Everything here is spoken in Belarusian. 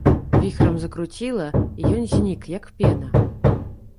Віхрам закруціла, і ён знік, як пена.